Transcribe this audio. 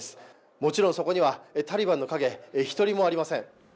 もちろんそこにはタリバンの影、１人もありません。